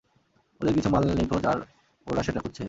ওদের কিছু মাল নিখোঁজ আর ওরা সেটা খুঁজছে।